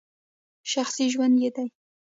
شخصي ژوند یې دی !